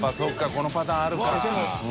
このパターンあるか。